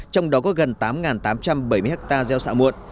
trong đó có gần tám tám trăm bảy mươi hectare gieo xạ muộn